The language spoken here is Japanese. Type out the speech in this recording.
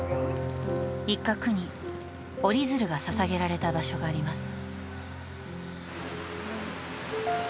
一角に折り鶴がささげられた場所があります。